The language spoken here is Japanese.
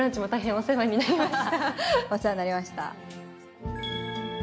お世話になりました。